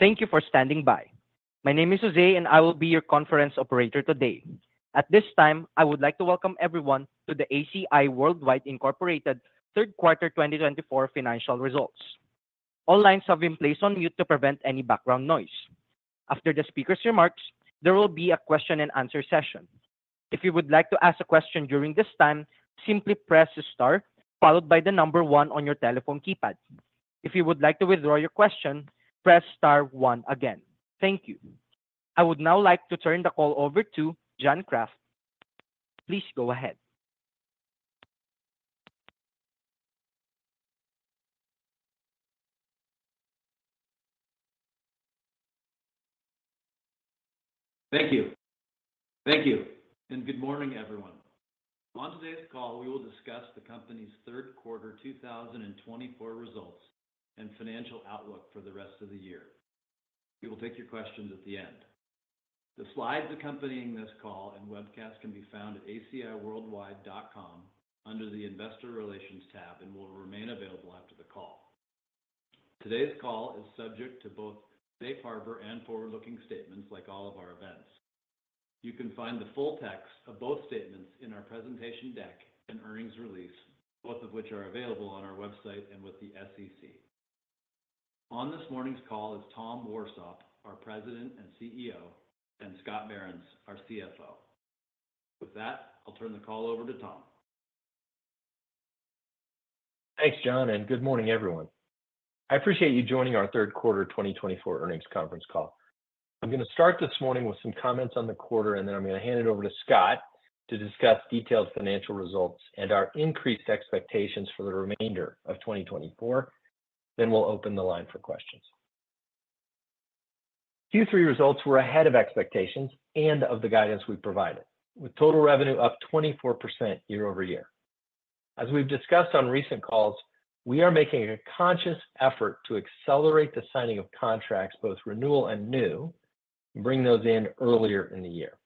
Thank you for standing by. My name is Jose, and I will be your conference operator today. At this time, I would like to welcome everyone to the ACI Worldwide Incorporated third quarter 2024 financial results. All lines have been placed on mute to prevent any background noise. After the speaker's remarks, there will be a question-and-answer session. If you would like to ask a question during this time, simply press the star followed by the number one on your telephone keypad. If you would like to withdraw your question, press star one again. Thank you. I would now like to turn the call over to John Kraft. Please go ahead. Thank you. Thank you, and good morning, everyone. On today's call, we will discuss the company's third quarter 2024 results and financial outlook for the rest of the year. We will take your questions at the end. The slides accompanying this call and webcast can be found at aciworldwide.com under the Investor Relations tab and will remain available after the call. Today's call is subject to both safe harbor and forward-looking statements like all of our events. You can find the full text of both statements in our presentation deck and earnings release, both of which are available on our website and with the SEC. On this morning's call is Thomas Warsop, our President and CEO, and Scott Behrens, our CFO. With that, I'll turn the call over to Thomas. Thanks, John, and good morning, everyone. I appreciate you joining our third quarter 2024 earnings conference call. I'm going to start this morning with some comments on the quarter, and then I'm going to hand it over to Scott to discuss detailed financial results and our increased expectations for the remainder of 2024. Then we'll open the line for questions. Q3 results were ahead of expectations and of the guidance we provided, with total revenue up 24% year over year. As we've discussed on recent calls, we are making a conscious effort to accelerate the signing of contracts, both renewal and new, and bring those in earlier in the year.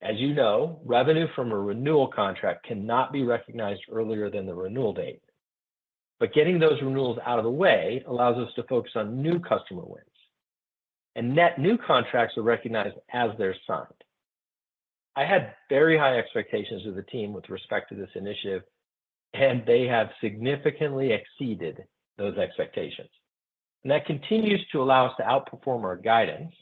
As you know, revenue from a renewal contract cannot be recognized earlier than the renewal date, but getting those renewals out of the way allows us to focus on new customer wins, and net new contracts are recognized as they're signed. I had very high expectations of the team with respect to this initiative, and they have significantly exceeded those expectations, and that continues to allow us to outperform our guidance.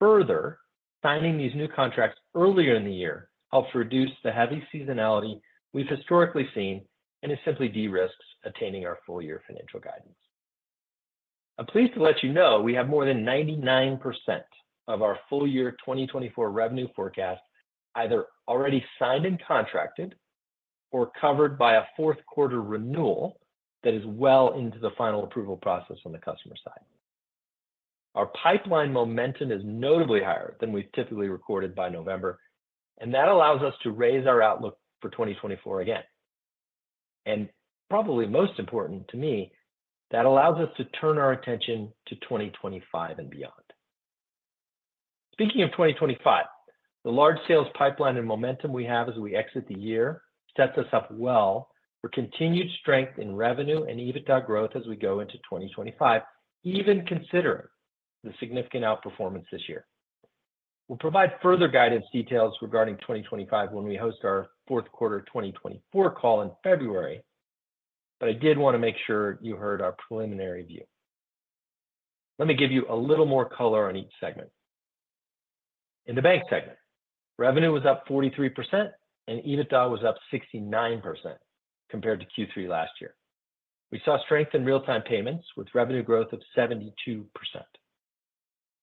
Further, signing these new contracts earlier in the year helps reduce the heavy seasonality we've historically seen and is simply de-risk attaining our full-year financial guidance. I'm pleased to let you know we have more than 99% of our full-year 2024 revenue forecast either already signed and contracted or covered by a fourth quarter renewal that is well into the final approval process on the customer side. Our pipeline momentum is notably higher than we've typically recorded by November, and that allows us to raise our outlook for 2024 again, and probably most important to me, that allows us to turn our attention to 2025 and beyond. Speaking of 2025, the large sales pipeline and momentum we have as we exit the year sets us up well for continued strength in revenue and EBITDA growth as we go into 2025, even considering the significant outperformance this year. We'll provide further guidance details regarding 2025 when we host our fourth quarter 2024 call in February, but I did want to make sure you heard our preliminary view. Let me give you a little more color on each segment. In the bank segment, revenue was up 43%, and EBITDA was up 69% compared to Q3 last year. We saw strength in real-time payments with revenue growth of 72%.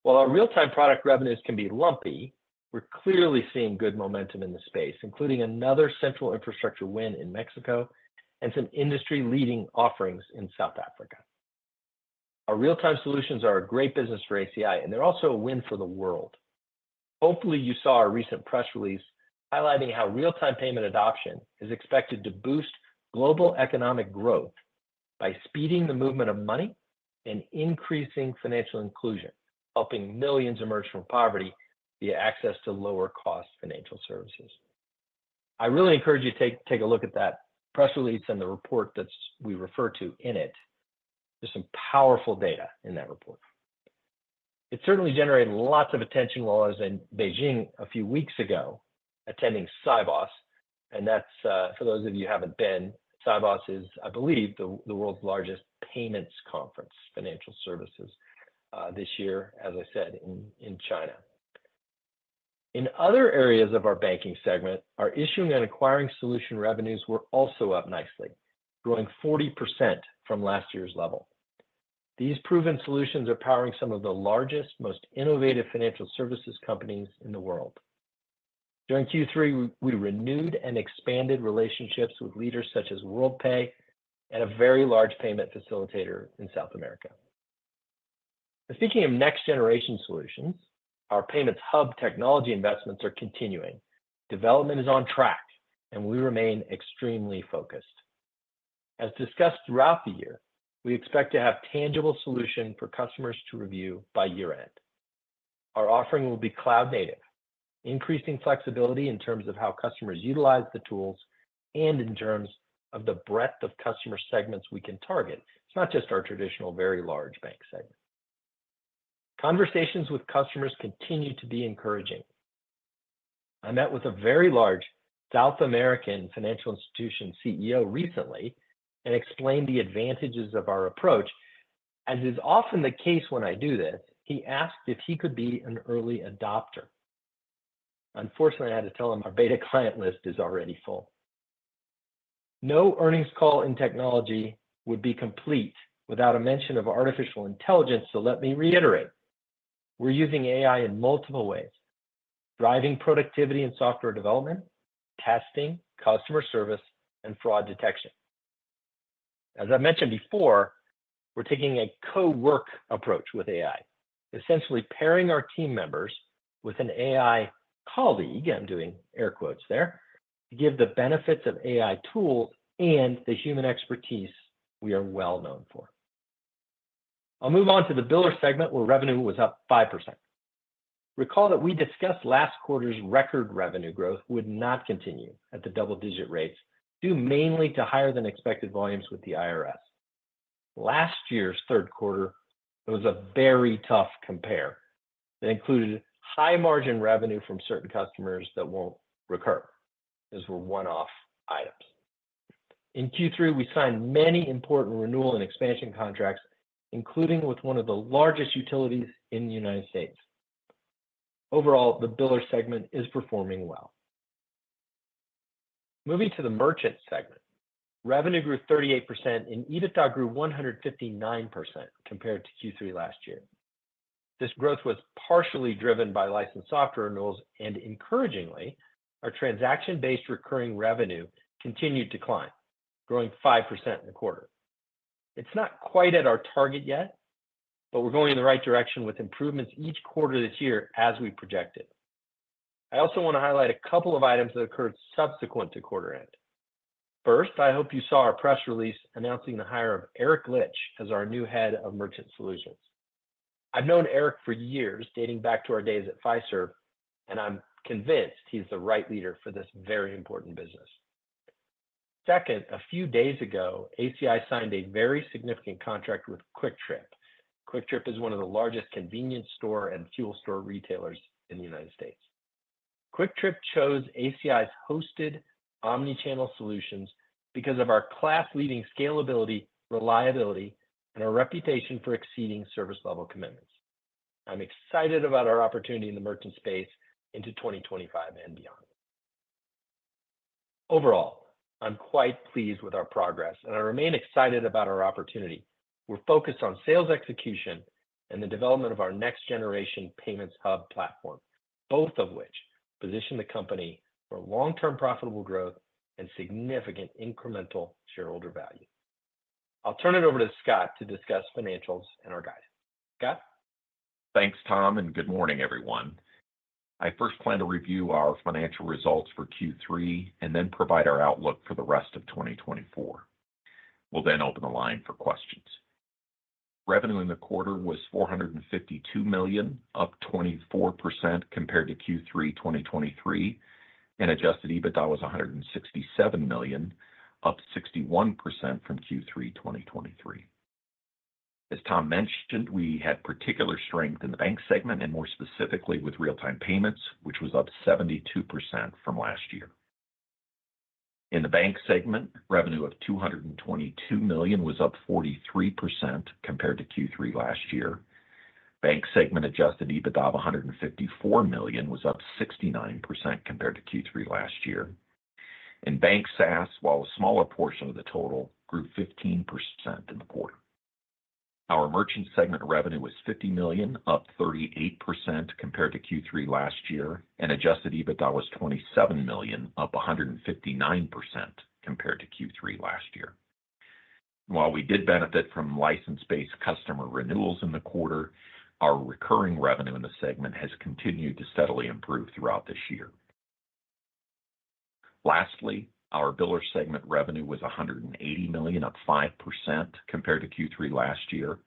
While our real-time product revenues can be lumpy, we're clearly seeing good momentum in the space, including another central infrastructure win in Mexico and some industry-leading offerings in South Africa. Our real-time solutions are a great business for ACI, and they're also a win for the world. Hopefully, you saw our recent press release highlighting how real-time payment adoption is expected to boost global economic growth by speeding the movement of money and increasing financial inclusion, helping millions emerge from poverty via access to lower-cost financial services. I really encourage you to take a look at that press release and the report that we refer to in it. There's some powerful data in that report. It certainly generated lots of attention while I was in Beijing a few weeks ago attending Sibos, and that's for those of you who haven't been. Sibos is, I believe, the world's largest payments conference, financial services, this year, as I said, in China. In other areas of our banking segment, our issuing and acquiring solution revenues were also up nicely, growing 40% from last year's level. These proven solutions are powering some of the largest, most innovative financial services companies in the world. During Q3, we renewed and expanded relationships with leaders such as Worldpay and a very large payment facilitator in South America. Speaking of next-generation solutions, our payments hub technology investments are continuing. Development is on track, and we remain extremely focused. As discussed throughout the year, we expect to have tangible solutions for customers to review by year-end. Our offering will be cloud-native, increasing flexibility in terms of how customers utilize the tools and in terms of the breadth of customer segments we can target. It's not just our traditional very large bank segment. Conversations with customers continue to be encouraging. I met with a very large South American financial institution CEO recently and explained the advantages of our approach. As is often the case when I do this, he asked if he could be an early adopter. Unfortunately, I had to tell him our beta client list is already full. No earnings call in technology would be complete without a mention of artificial intelligence, so let me reiterate. We're using AI in multiple ways: driving productivity in software development, testing, customer service, and fraud detection. As I mentioned before, we're taking a co-work approach with AI, essentially pairing our team members with an AI colleague (I'm doing air quotes there) to give the benefits of AI tools and the human expertise we are well known for. I'll move on to the biller segment where revenue was up 5%. Recall that we discussed last quarter's record revenue growth would not continue at the double-digit rates, due mainly to higher-than-expected volumes with the IRS. Last year's third quarter was a very tough compare that included high-margin revenue from certain customers that won't recur as they were one-off items. In Q3, we signed many important renewal and expansion contracts, including with one of the largest utilities in the United States. Overall, the biller segment is performing well. Moving to the merchant segment, revenue grew 38% and EBITDA grew 159% compared to Q3 last year. This growth was partially driven by licensed software renewals, and encouragingly, our transaction-based recurring revenue continued to climb, growing 5% in the quarter. It's not quite at our target yet, but we're going in the right direction with improvements each quarter this year as we projected. I also want to highlight a couple of items that occurred subsequent to quarter-end. First, I hope you saw our press release announcing the hire of Eric Litch as our new head of merchant solutions. I've known Eric for years, dating back to our days at Fiserv, and I'm convinced he's the right leader for this very important business. Second, a few days ago, ACI signed a very significant contract with QuikTrip. QuikTrip is one of the largest convenience store and fuel store retailers in the United States. QuikTrip chose ACI's hosted omnichannel solutions because of our class-leading scalability, reliability, and our reputation for exceeding service-level commitments. I'm excited about our opportunity in the merchant space into 2025 and beyond. Overall, I'm quite pleased with our progress, and I remain excited about our opportunity. We're focused on sales execution and the development of our next-generation payments hub platform, both of which position the company for long-term profitable growth and significant incremental shareholder value. I'll turn it over to Scott to discuss financials and our guidance. Scott? Thanks, Tom, and good morning, everyone. I first plan to review our financial results for Q3 and then provide our outlook for the rest of 2024. We'll then open the line for questions. Revenue in the quarter was $452 million, up 24% compared to Q3 2023, and adjusted EBITDA was $167 million, up 61% from Q3 2023. As Tom mentioned, we had particular strength in the bank segment, and more specifically with real-time payments, which was up 72% from last year. In the bank segment, revenue of $222 million was up 43% compared to Q3 last year. Bank segment adjusted EBITDA of $154 million was up 69% compared to Q3 last year. In bank SaaS, while a smaller portion of the total grew 15% in the quarter. Our merchant segment revenue was $50 million, up 38% compared to Q3 last year, and adjusted EBITDA was $27 million, up 159% compared to Q3 last year. While we did benefit from license-based customer renewals in the quarter, our recurring revenue in the segment has continued to steadily improve throughout this year. Lastly, our biller segment revenue was $180 million, up 5% compared to Q3 last year.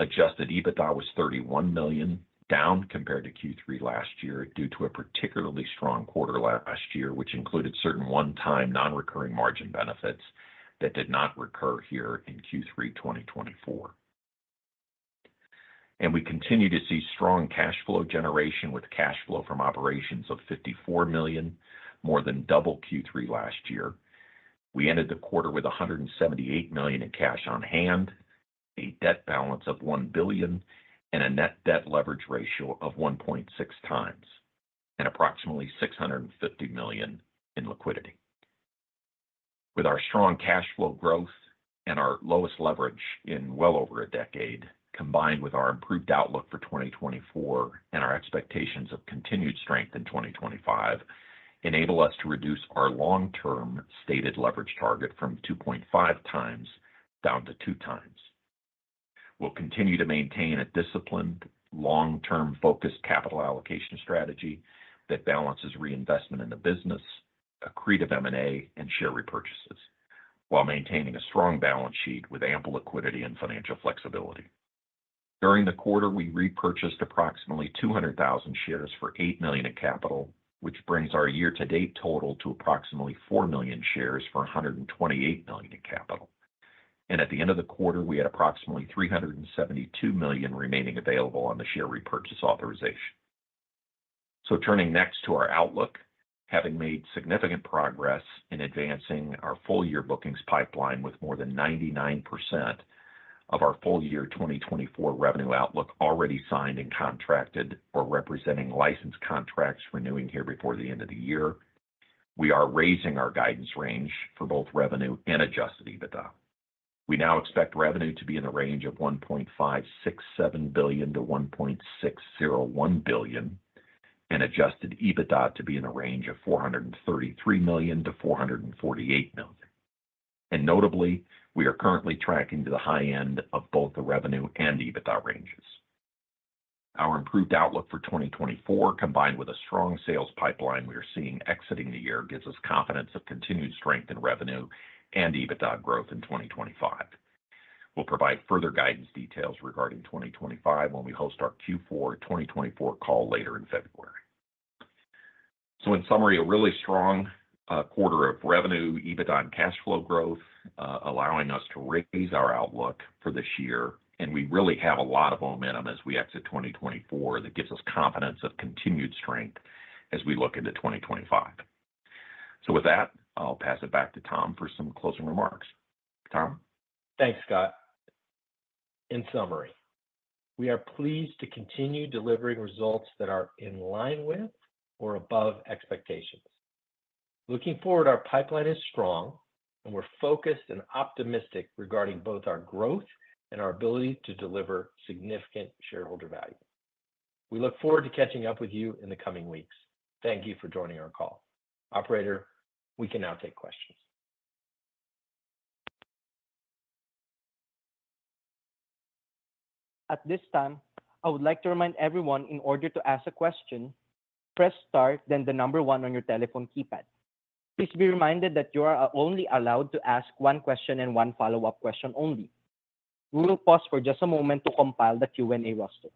Adjusted EBITDA was $31 million, down compared to Q3 last year due to a particularly strong quarter last year, which included certain one-time non-recurring margin benefits that did not recur here in Q3 2024, and we continue to see strong cash flow generation with cash flow from operations of $54 million, more than double Q3 last year. We ended the quarter with $178 million in cash on hand, a debt balance of $1 billion, and a net debt leverage ratio of 1.6 times, and approximately $650 million in liquidity. With our strong cash flow growth and our lowest leverage in well over a decade, combined with our improved outlook for 2024 and our expectations of continued strength in 2025, enable us to reduce our long-term stated leverage target from 2.5 times down to 2 times. We'll continue to maintain a disciplined, long-term focused capital allocation strategy that balances reinvestment in the business, accretive M&A, and share repurchases, while maintaining a strong balance sheet with ample liquidity and financial flexibility. During the quarter, we repurchased approximately 200,000 shares for $8 million in capital, which brings our year-to-date total to approximately 4 million shares for $128 million in capital. At the end of the quarter, we had approximately $372 million remaining available on the share repurchase authorization. Turning next to our outlook, having made significant progress in advancing our full-year bookings pipeline with more than 99% of our full-year 2024 revenue outlook already signed and contracted or representing licensed contracts renewing here before the end of the year, we are raising our guidance range for both revenue and adjusted EBITDA. We now expect revenue to be in the range of $1.567 billion-$1.601 billion, and adjusted EBITDA to be in the range of $433 million-$448 million. Notably, we are currently tracking to the high end of both the revenue and EBITDA ranges. Our improved outlook for 2024, combined with a strong sales pipeline we are seeing exiting the year, gives us confidence of continued strength in revenue and EBITDA growth in 2025. We'll provide further guidance details regarding 2025 when we host our Q4 2024 call later in February. So in summary, a really strong quarter of revenue, EBITDA, and cash flow growth allowing us to raise our outlook for this year, and we really have a lot of momentum as we exit 2024 that gives us confidence of continued strength as we look into 2025. So with that, I'll pass it back to Tom for some closing remarks. Thomas? Thanks, Scott. In summary, we are pleased to continue delivering results that are in line with or above expectations. Looking forward, our pipeline is strong, and we're focused and optimistic regarding both our growth and our ability to deliver significant shareholder value. We look forward to catching up with you in the coming weeks. Thank you for joining our call. Operator, we can now take questions. At this time, I would like to remind everyone, in order to ask a question, to press star, then the number one on your telephone keypad. Please be reminded that you are only allowed to ask one question and one follow-up question only. We will pause for just a moment to compile the Q&A roster.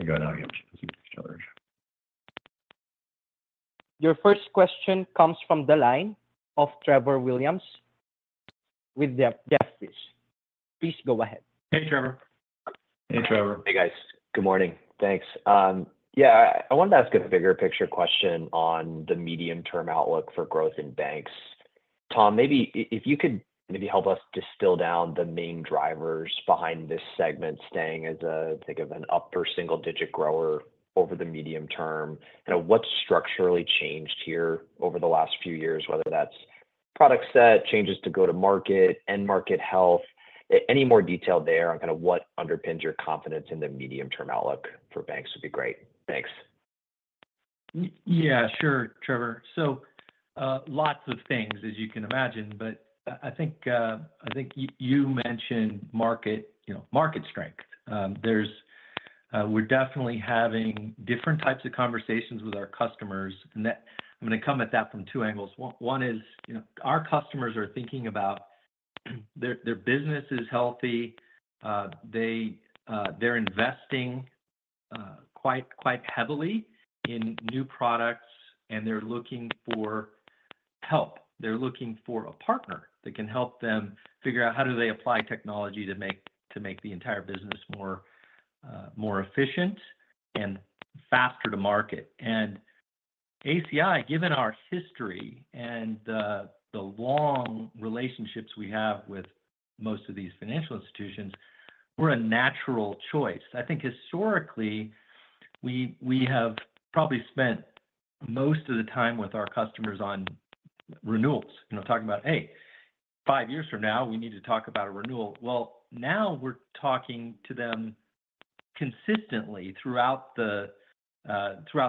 I got an audience challenge. Your first question comes from the line of Trevor Williams with Jefferies. Please go ahead. Hey, Trevor. Hey, Trevor. Hey, guys. Good morning. Thanks. Yeah, I wanted to ask a bigger picture question on the medium-term outlook for growth in banks. Thomas, maybe if you could maybe help us distill down the main drivers behind this segment staying as a, think of an upper single-digit grower over the medium term. Kind of what's structurally changed here over the last few years, whether that's product set, changes to go-to-market, end-market health, any more detail there on kind of what underpins your confidence in the medium-term outlook for banks would be great. Thanks. Yeah, sure, Trevor. So lots of things, as you can imagine, but I think you mentioned market strength. We're definitely having different types of conversations with our customers, and I'm going to come at that from two angles. One is our customers are thinking about their business is healthy. They're investing quite heavily in new products, and they're looking for help. They're looking for a partner that can help them figure out how do they apply technology to make the entire business more efficient and faster to market. And ACI, given our history and the long relationships we have with most of these financial institutions, we're a natural choice. I think historically, we have probably spent most of the time with our customers on renewals. Talking about, "Hey, five years from now, we need to talk about a renewal." Well, now we're talking to them consistently throughout the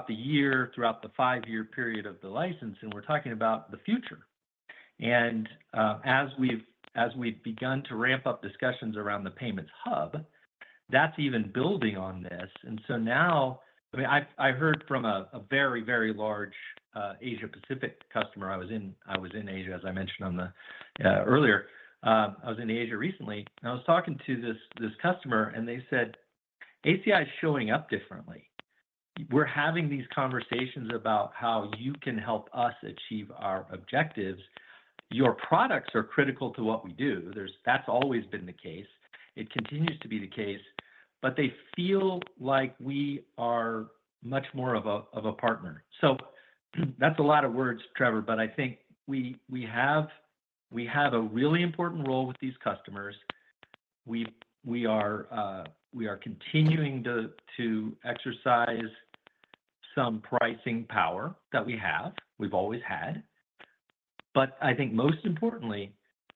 year, throughout the five-year period of the license, and we're talking about the future. As we've begun to ramp up discussions around the payments hub, that's even building on this. So now, I mean, I heard from a very, very large Asia-Pacific customer. I was in Asia, as I mentioned earlier. I was in Asia recently, and I was talking to this customer, and they said, "ACI is showing up differently. We're having these conversations about how you can help us achieve our objectives. Your products are critical to what we do." That's always been the case. It continues to be the case, but they feel like we are much more of a partner. So that's a lot of words, Trevor, but I think we have a really important role with these customers. We are continuing to exercise some pricing power that we have. We've always had. But I think most importantly,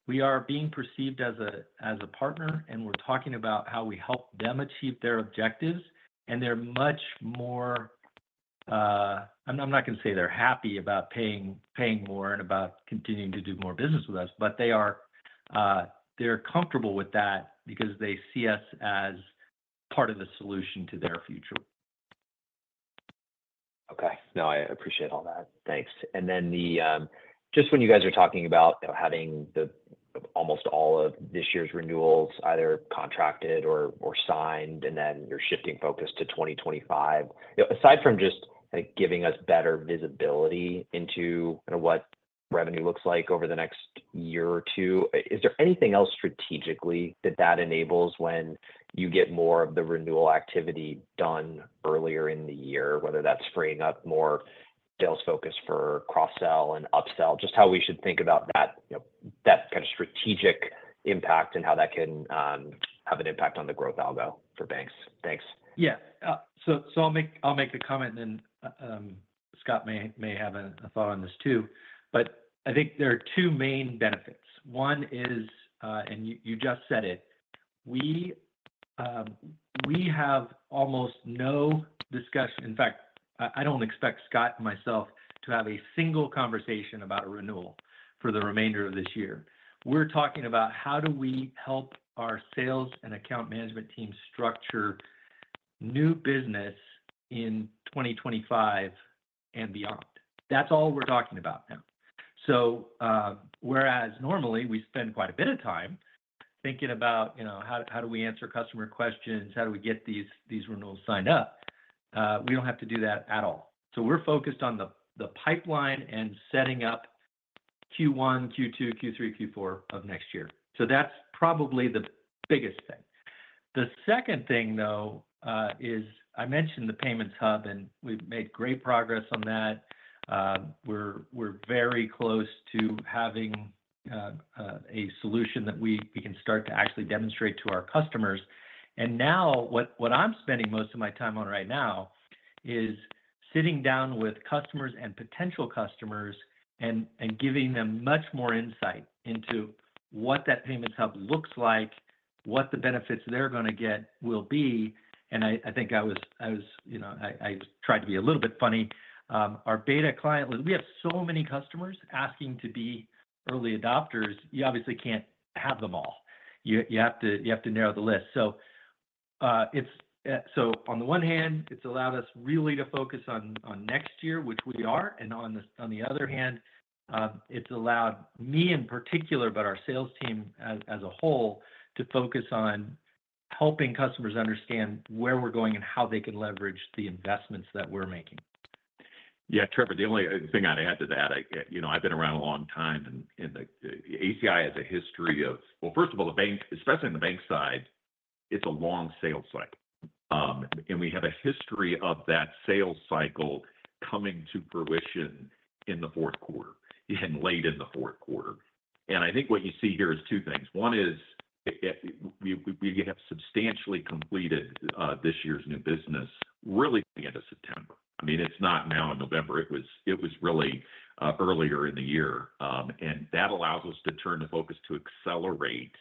we are being perceived as a partner, and we're talking about how we help them achieve their objectives. And they're much more. I'm not going to say they're happy about paying more and about continuing to do more business with us, but they're comfortable with that because they see us as part of the solution to their future. Okay. No, I appreciate all that. Thanks. And then just when you guys are talking about having almost all of this year's renewals either contracted or signed, and then you're shifting focus to 2025, aside from just giving us better visibility into kind of what revenue looks like over the next year or two, is there anything else strategically that that enables when you get more of the renewal activity done earlier in the year, whether that's freeing up more sales focus for cross-sell and upsell? Just how we should think about that kind of strategic impact and how that can have an impact on the growth algo for banks. Thanks. Yeah. So I'll make the comment, and then Scott may have a thought on this too. But I think there are two main benefits. One is, and you just said it, we have almost no discussion, in fact, I don't expect Scott and myself to have a single conversation about a renewal for the remainder of this year. We're talking about how do we help our sales and account management team structure new business in 2025 and beyond. That's all we're talking about now. So whereas normally we spend quite a bit of time thinking about how do we answer customer questions, how do we get these renewals signed up, we don't have to do that at all. So we're focused on the pipeline and setting up Q1, Q2, Q3, Q4 of next year. So that's probably the biggest thing. The second thing, though, is I mentioned the Payments Hub, and we've made great progress on that. We're very close to having a solution that we can start to actually demonstrate to our customers, and now what I'm spending most of my time on right now is sitting down with customers and potential customers and giving them much more insight into what that Payments Hub looks like, what the benefits they're going to get will be. And I think I was—I tried to be a little bit funny. Our beta client, we have so many customers asking to be early adopters. You obviously can't have them all. You have to narrow the list, so on the one hand, it's allowed us really to focus on next year, which we are. On the other hand, it's allowed me in particular, but our sales team as a whole, to focus on helping customers understand where we're going and how they can leverage the investments that we're making. Yeah, Trevor, the only thing I'd add to that. I've been around a long time, and ACI has a history of, well, first of all, the bank, especially on the bank side, it's a long sales cycle. And we have a history of that sales cycle coming to fruition in the fourth quarter and late in the fourth quarter. And I think what you see here is two things. One is we have substantially completed this year's new business really at the end of September. I mean, it's not now in November. It was really earlier in the year. And that allows us to turn the focus to accelerate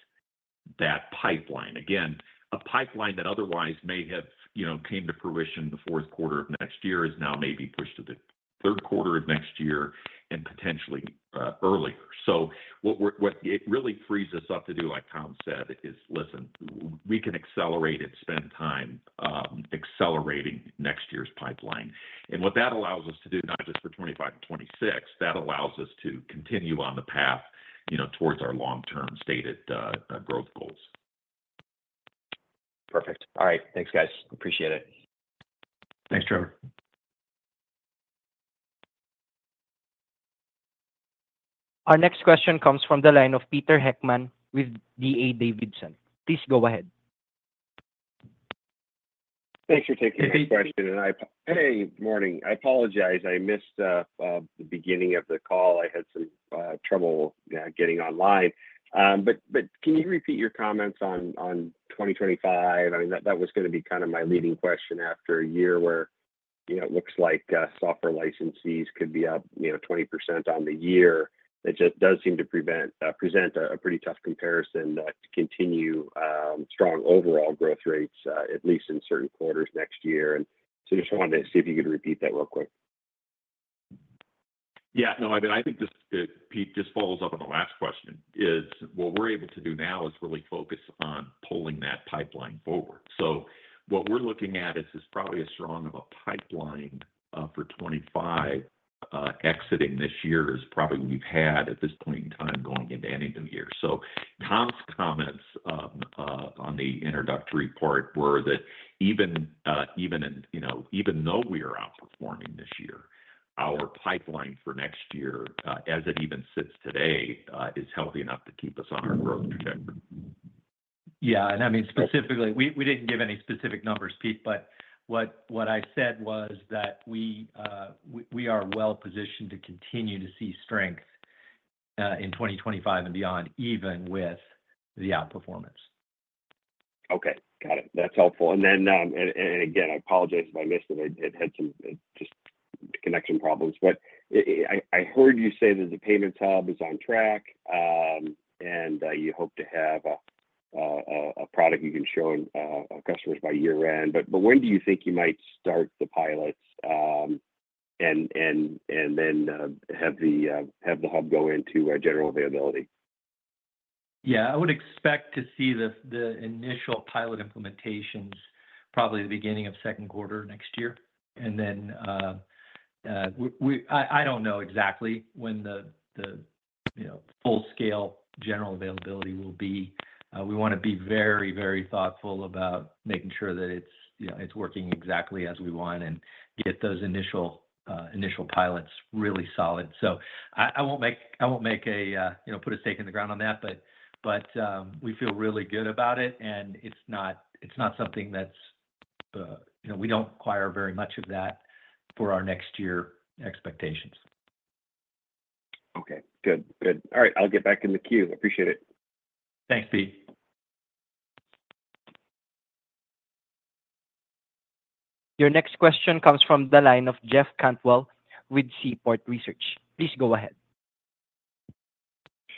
that pipeline. Again, a pipeline that otherwise may have come to fruition in the fourth quarter of next year is now maybe pushed to the third quarter of next year and potentially earlier. So what it really frees us up to do, like Thomas said, is listen, we can accelerate and spend time accelerating next year's pipeline. And what that allows us to do, not just for 2025 and 2026, that allows us to continue on the path towards our long-term stated growth goals. Perfect. All right. Thanks, guys. Appreciate it. Thanks, Trevor. Our next question comes from the line of Peter Heckmann with D.A. Davidson. Please go ahead. Thanks for taking this question. Hey, morning. I apologize. I missed the beginning of the call. I had some trouble getting online, but can you repeat your comments on 2025? I mean, that was going to be kind of my leading question after a year where it looks like software licenses could be up 20% on the year. It just does seem to present a pretty tough comparison to continue strong overall growth rates, at least in certain quarters next year, and so just wanted to see if you could repeat that real quick. Yeah. No, I mean, I think this just follows up on the last question is what we're able to do now is really focus on pulling that pipeline forward. So what we're looking at is probably as strong of a pipeline for 2025 exiting this year as probably we've had at this point in time going into any new year. So Tom's comments on the introductory part were that even though we are outperforming this year, our pipeline for next year, as it even sits today, is healthy enough to keep us on our growth trajectory. Yeah. And I mean, specifically, we didn't give any specific numbers, Pete, but what I said was that we are well positioned to continue to see strength in 2025 and beyond, even with the outperformance. Okay. Got it. That's helpful. And again, I apologize if I missed it. I had some connection problems. But I heard you say that the Payments Hub is on track, and you hope to have a product you can show customers by year-end. But when do you think you might start the pilots and then have the Hub go into general availability? Yeah. I would expect to see the initial pilot implementations probably at the beginning of second quarter next year. And then I don't know exactly when the full-scale general availability will be. We want to be very, very thoughtful about making sure that it's working exactly as we want and get those initial pilots really solid. So I won't put a stake in the ground on that, but we feel really good about it, and it's not something that's-we don't require very much of that for our next year expectations. Okay. Good. Good. All right. I'll get back in the queue. Appreciate it. Thanks, Peter. Your next question comes from the line of Jeff Cantwell with Seaport Research. Please go ahead.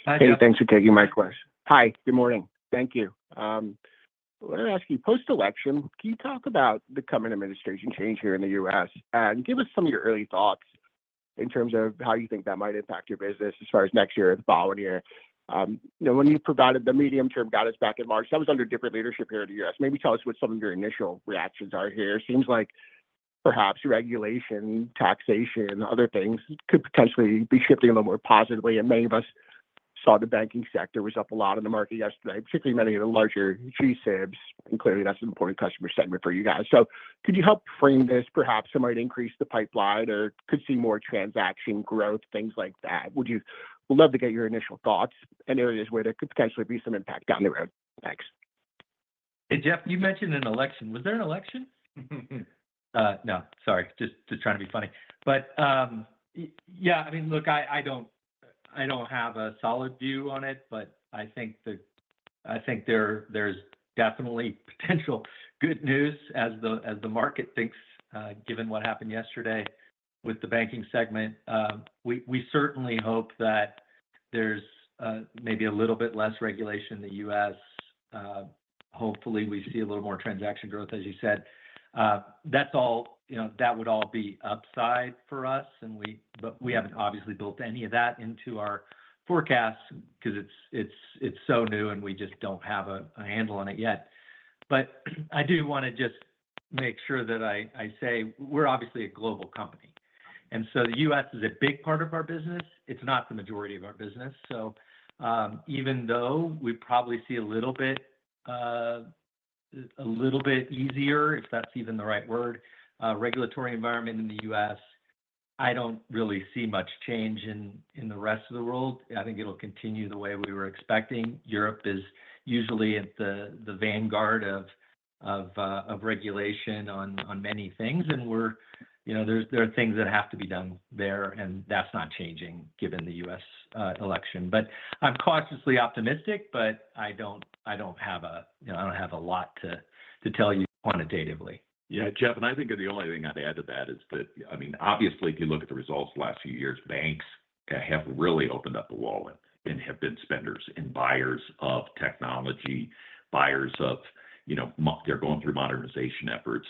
Hey, thanks for taking my question. Hi. Good morning. Thank you. Let me ask you, post-election, can you talk about the coming administration change here in the U.S. and give us some of your early thoughts in terms of how you think that might impact your business as far as next year, the following year? When you provided the medium-term guidance back in March, that was under different leadership here in the U.S. Maybe tell us what some of your initial reactions are here. Seems like perhaps regulation, taxation, other things could potentially be shifting a little more positively. And many of us saw the banking sector was up a lot in the market yesterday, particularly many of the larger GSIBs. And clearly, that's an important customer segment for you guys. So could you help frame this? Perhaps some might increase the pipeline or could see more transaction growth, things like that. Would you love to get your initial thoughts and areas where there could potentially be some impact down the road? Thanks. Hey, Jeff, you mentioned an election. Was there an election? No. Sorry. Just trying to be funny, but yeah, I mean, look, I don't have a solid view on it, but I think there's definitely potential good news as the market thinks, given what happened yesterday with the banking segment. We certainly hope that there's maybe a little bit less regulation in the U.S. Hopefully, we see a little more transaction growth, as you said. That would all be upside for us, but we haven't obviously built any of that into our forecasts because it's so new, and we just don't have a handle on it yet. I do want to just make sure that I say we're obviously a global company, and so the U.S. is a big part of our business. It's not the majority of our business. Even though we probably see a little bit easier, if that's even the right word, regulatory environment in the U.S., I don't really see much change in the rest of the world. I think it'll continue the way we were expecting. Europe is usually at the vanguard of regulation on many things, and there are things that have to be done there, and that's not changing given the U.S. election. I'm cautiously optimistic, but I don't have a lot to tell you quantitatively. Yeah. Jeff, and I think the only thing I'd add to that is that, I mean, obviously, if you look at the results the last few years, banks have really opened up the wallet and have been spenders and buyers of technology, buyers of—they're going through modernization efforts.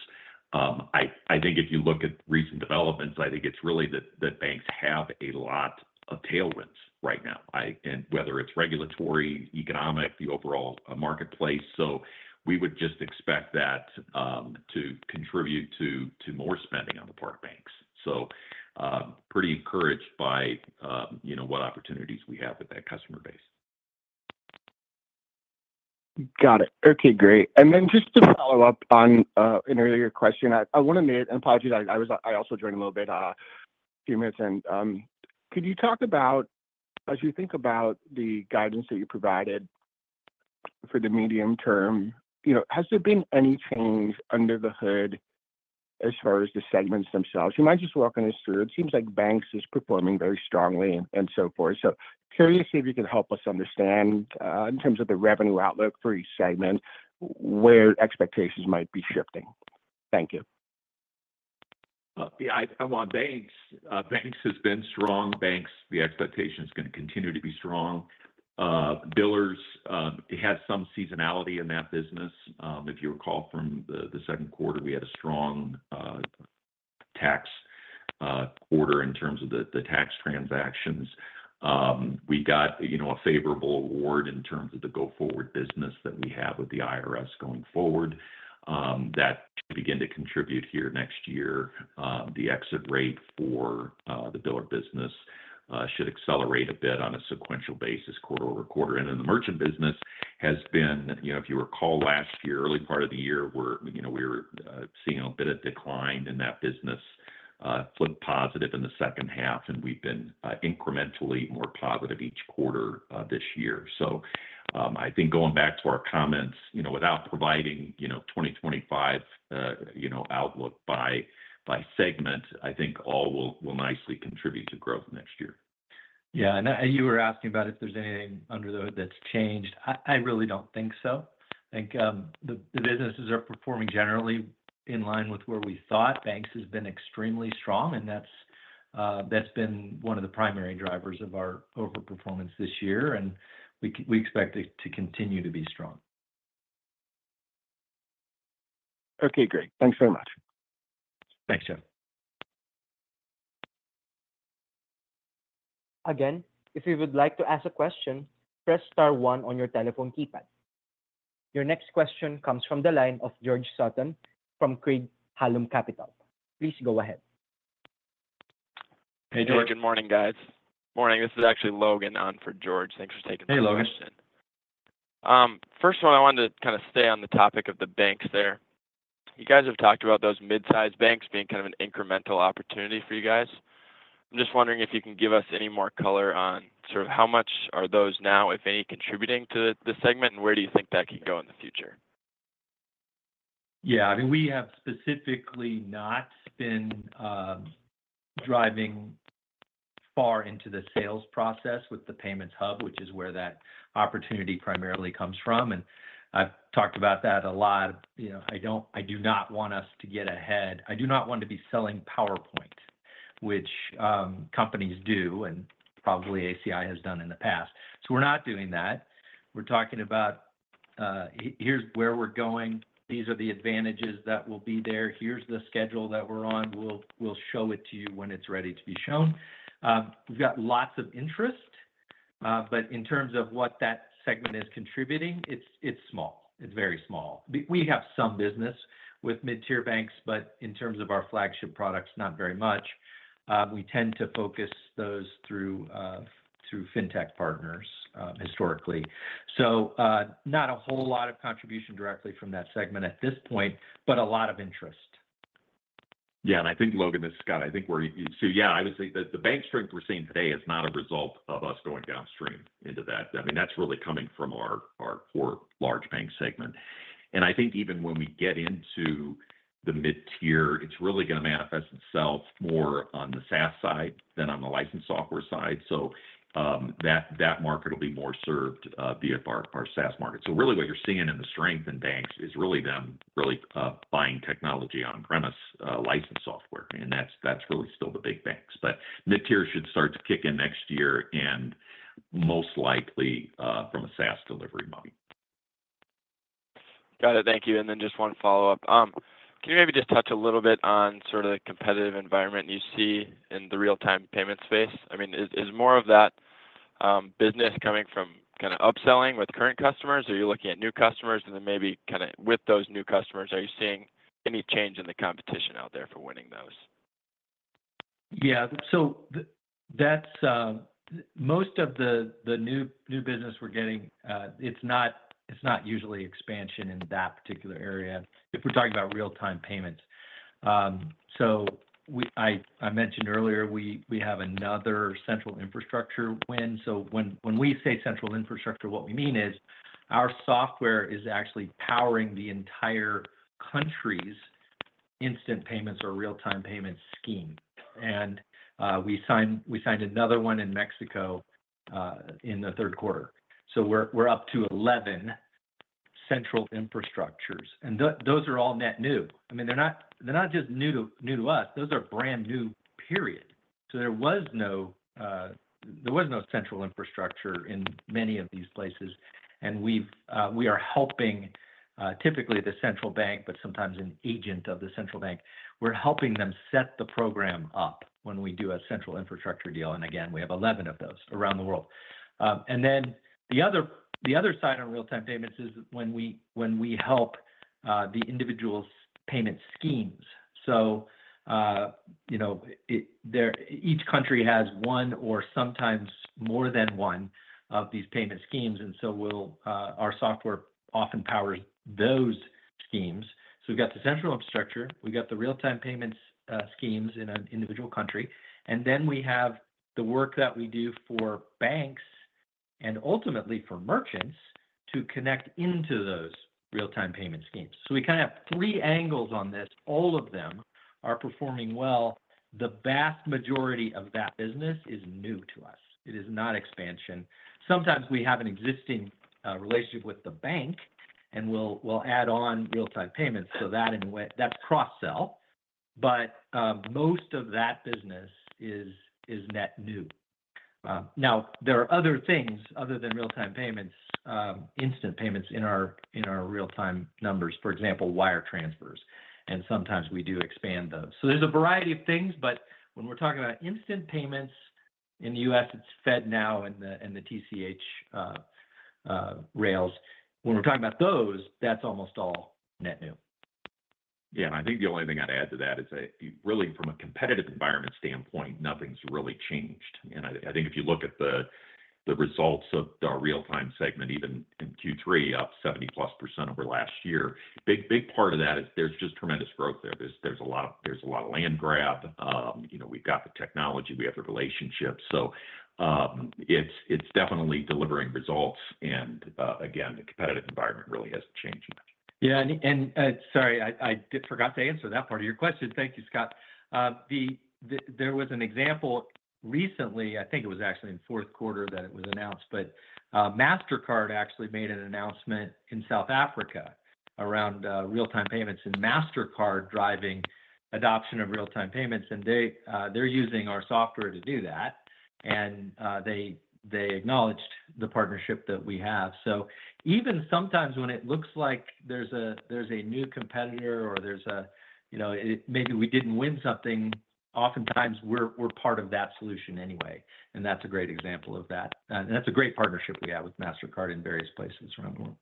I think if you look at recent developments, I think it's really that banks have a lot of tailwinds right now, whether it's regulatory, economic, the overall marketplace. So we would just expect that to contribute to more spending on the part of banks. So pretty encouraged by what opportunities we have with that customer base. Got it. Okay. Great, and then just to follow up on an earlier question, I want to make an apology. I also joined a little bit a few minutes in. Could you talk about, as you think about the guidance that you provided for the medium term, has there been any change under the hood as far as the segments themselves? You mind just walking us through? It seems like banks are performing very strongly and so forth. So, curious if you could help us understand in terms of the revenue outlook for each segment where expectations might be shifting. Thank you. Yeah. I'm on banks. Banks has been strong. Banks, the expectation is going to continue to be strong. Billers had some seasonality in that business. If you recall from the second quarter, we had a strong tax quarter in terms of the tax transactions. We got a favorable award in terms of the go-forward business that we have with the IRS going forward. That should begin to contribute here next year. The exit rate for the biller business should accelerate a bit on a sequential basis, quarter over quarter. And then the merchant business has been, if you recall last year, early part of the year, we were seeing a bit of decline in that business, flipped positive in the second half, and we've been incrementally more positive each quarter this year. So I think going back to our comments, without providing 2025 outlook by segment, I think all will nicely contribute to growth next year. Yeah. And you were asking about if there's anything under the hood that's changed. I really don't think so. I think the businesses are performing generally in line with where we thought. Banking has been extremely strong, and that's been one of the primary drivers of our overperformance this year. And we expect it to continue to be strong. Okay. Great. Thanks very much. Thanks, Jeff. Again, if you would like to ask a question, press star one on your telephone keypad. Your next question comes from the line of George Sutton from Craig-Hallum Capital. Please go ahead. Hey, George. Good morning, guys. Morning. This is actually Logan on for George. Thanks for taking the question. Hey, Logan. First of all, I wanted to kind of stay on the topic of the banks there. You guys have talked about those mid-size banks being kind of an incremental opportunity for you guys. I'm just wondering if you can give us any more color on sort of how much are those now, if any, contributing to the segment, and where do you think that can go in the future? Yeah. I mean, we have specifically not been driving far into the sales process with the Payments Hub, which is where that opportunity primarily comes from, and I've talked about that a lot. I do not want us to get ahead. I do not want to be selling PowerPoint, which companies do and probably ACI has done in the past, so we're not doing that. We're talking about, here's where we're going. These are the advantages that will be there. Here's the schedule that we're on. We'll show it to you when it's ready to be shown. We've got lots of interest, but in terms of what that segment is contributing, it's small. It's very small. We have some business with mid-tier banks, but in terms of our flagship products, not very much. We tend to focus those through fintech partners historically. Not a whole lot of contribution directly from that segment at this point, but a lot of interest. Yeah. And I think, Logan, this is Scott. I think we're—so yeah, I would say the bank strength we're seeing today is not a result of us going downstream into that. I mean, that's really coming from our core large bank segment. And I think even when we get into the mid-tier, it's really going to manifest itself more on the SaaS side than on the licensed software side. So that market will be more served via our SaaS market. So really what you're seeing in the strength in banks is really them really buying technology on-premise licensed software. And that's really still the big banks. But mid-tier should start to kick in next year and most likely from a SaaS delivery model. Got it. Thank you. And then just one follow-up. Can you maybe just touch a little bit on sort of the competitive environment you see in the real-time payment space? I mean, is more of that business coming from kind of upselling with current customers, or are you looking at new customers? And then maybe kind of with those new customers, are you seeing any change in the competition out there for winning those? Yeah. So most of the new business we're getting, it's not usually expansion in that particular area if we're talking about real-time payments. So I mentioned earlier we have another central infrastructure win. So when we say central infrastructure, what we mean is our software is actually powering the entire country's instant payments or real-time payments scheme. And we signed another one in Mexico in the third quarter. So we're up to 11 central infrastructures. And those are all net new. I mean, they're not just new to us. Those are brand new, period. So there was no central infrastructure in many of these places. And we are helping typically the central bank, but sometimes an agent of the central bank. We're helping them set the program up when we do a central infrastructure deal. And again, we have 11 of those around the world. And then the other side on real-time payments is when we help the individuals' payment schemes. So each country has one or sometimes more than one of these payment schemes. And so our software often powers those schemes. So we've got the central infrastructure. We've got the real-time payments schemes in an individual country. And then we have the work that we do for banks and ultimately for merchants to connect into those real-time payment schemes. So we kind of have three angles on this. All of them are performing well. The vast majority of that business is new to us. It is not expansion. Sometimes we have an existing relationship with the bank, and we'll add on real-time payments so that that's cross-sell. But most of that business is net new. Now, there are other things other than real-time payments, instant payments in our real-time numbers, for example, wire transfers. And sometimes we do expand those. So there's a variety of things. But when we're talking about instant payments in the U.S., it's FedNow and the TCH rails. When we're talking about those, that's almost all net new. Yeah. And I think the only thing I'd add to that is really from a competitive environment standpoint, nothing's really changed. And I think if you look at the results of our real-time segment, even in Q3, up 70-plus% over last year, a big part of that is there's just tremendous growth there. There's a lot of land grab. We've got the technology. We have the relationship. So it's definitely delivering results. And again, the competitive environment really hasn't changed much. Yeah. And sorry, I forgot to answer that part of your question. Thank you, Scott. There was an example recently. I think it was actually in fourth quarter that it was announced. But Mastercard actually made an announcement in South Africa around real-time payments and Mastercard driving adoption of real-time payments. And they're using our software to do that. And they acknowledged the partnership that we have. So even sometimes when it looks like there's a new competitor or there's a maybe we didn't win something, oftentimes we're part of that solution anyway. And that's a great example of that. And that's a great partnership we have with Mastercard in various places around the world.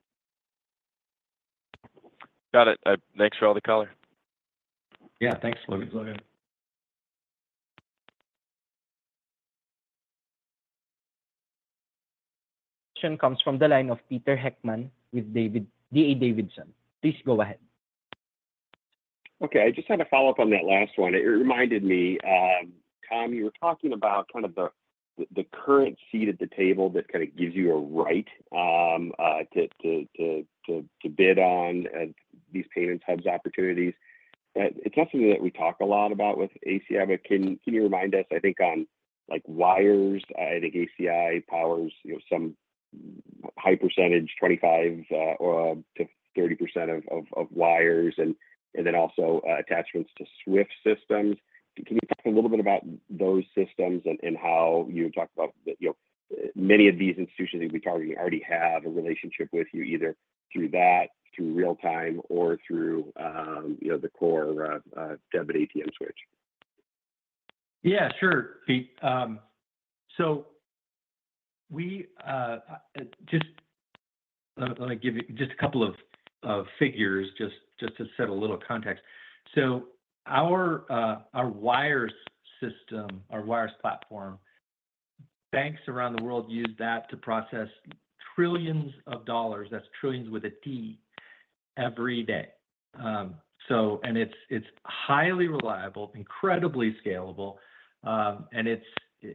Got it. Thanks for all the call. Yeah. Thanks, Logan. Question comes from the line of Peter Heckmann with D.A. Davidson. Please go ahead. Okay. I just had a follow-up on that last one. It reminded me, Tom, you were talking about kind of the current seat at the table that kind of gives you a right to bid on these payments hubs opportunities. It's not something that we talk a lot about with ACI. But can you remind us, I think, on wires? I think ACI powers some high percentage, 25%-30% of wires, and then also attachments to Swift systems. Can you talk a little bit about those systems and how you talk about many of these institutions that you'll be targeting already have a relationship with you either through that, through real-time, or through the core debit ATM switch? Yeah. Sure. So let me give you just a couple of figures just to set a little context. So our wires system, our wires platform, banks around the world use that to process trillions of dollars. That's trillions with a T every day. And it's highly reliable, incredibly scalable. And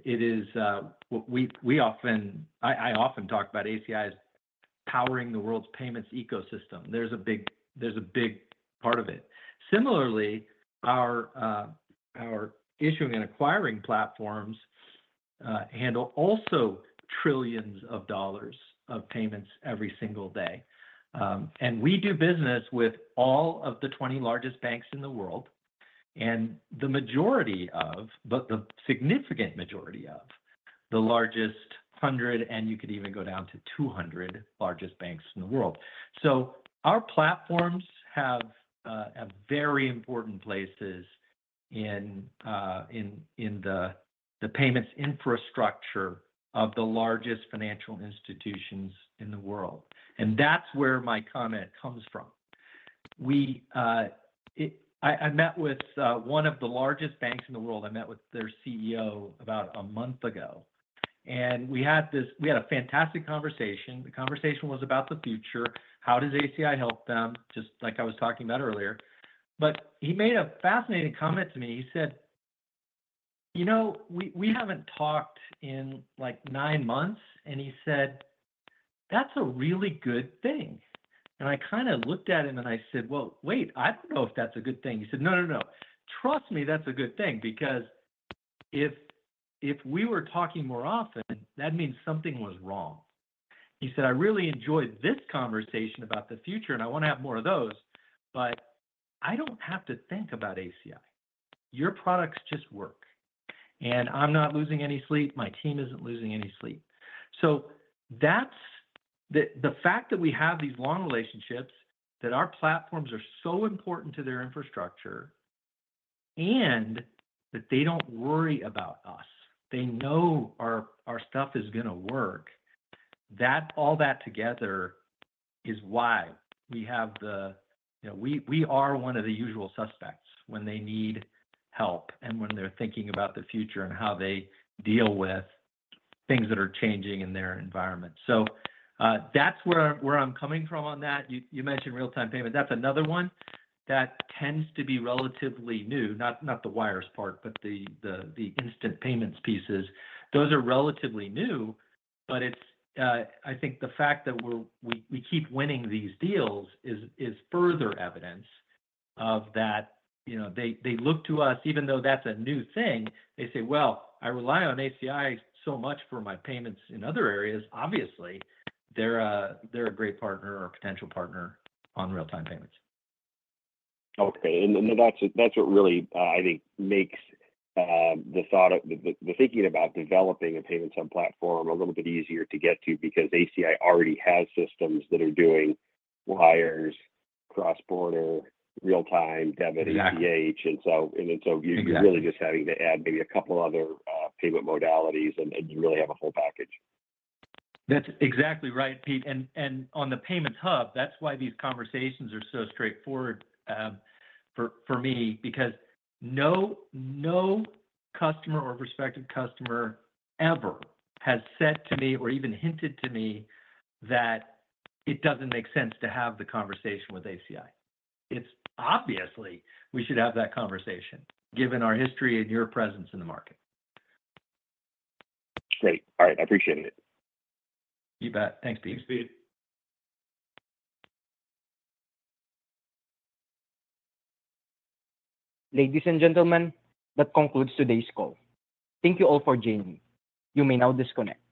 it is what we often—I often talk about ACI as powering the world's payments ecosystem. There's a big part of it. Similarly, our issuing and acquiring platforms handle also trillions of dollars of payments every single day. And we do business with all of the 20 largest banks in the world and the majority of, but the significant majority of, the largest 100, and you could even go down to 200 largest banks in the world. So our platforms have very important places in the payments infrastructure of the largest financial institutions in the world. That's where my comment comes from. I met with one of the largest banks in the world. I met with their CEO about a month ago. We had a fantastic conversation. The conversation was about the future. How does ACI help them? Just like I was talking about earlier. He made a fascinating comment to me. He said, "We haven't talked in like nine months." He said, "That's a really good thing." I kind of looked at him and I said, "Well, wait, I don't know if that's a good thing." He said, "No, no, no, no. Trust me, that's a good thing. Because if we were talking more often, that means something was wrong." He said, "I really enjoyed this conversation about the future, and I want to have more of those. But I don't have to think about ACI. Your products just work. I'm not losing any sleep. My team isn't losing any sleep." The fact that we have these long relationships, that our platforms are so important to their infrastructure, and that they don't worry about us, they know our stuff is going to work, all that together is why we are one of the usual suspects when they need help and when they're thinking about the future and how they deal with things that are changing in their environment. That's where I'm coming from on that. You mentioned real-time payment. That's another one that tends to be relatively new, not the wires part, but the instant payments pieces. Those are relatively new. I think the fact that we keep winning these deals is further evidence of that they look to us, even though that's a new thing. They say, "Well, I rely on ACI so much for my payments in other areas." Obviously, they're a great partner or potential partner on real-time payments. Okay. And that's what really, I think, makes the thinking about developing a payments hub platform a little bit easier to get to because ACI already has systems that are doing wires, cross-border, real-time, debit, ACH. And so you're really just having to add maybe a couple of other payment modalities, and you really have a full package. That's exactly right, peter. And on the Payments Hub, that's why these conversations are so straightforward for me, because no customer or prospective customer ever has said to me or even hinted to me that it doesn't make sense to have the conversation with ACI. It's obviously we should have that conversation given our history and your presence in the market. Great. All right. I appreciate it. You bet. Thanks, Peter. Ladies and gentlemen, that concludes today's call. Thank you all for joining. You may now disconnect.